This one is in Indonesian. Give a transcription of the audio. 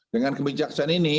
dengan kebijaksanaan ini